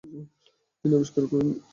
তিনি আবিষ্কার করেন নি।